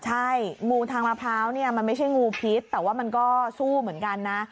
ใช่งูทางมะพร้าวเนี่ยมันไม่ใช่งูพิษแต่ว่ามันก็สู้เหมือนกันนะ